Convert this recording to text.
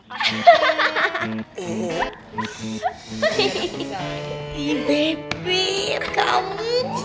bebir kamu malu maluin aku aja sih